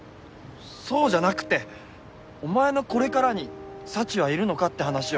そうじゃなくてお前のこれからにサチはいるのかって話を。